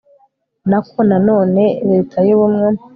nako na none leta y'ubumwe..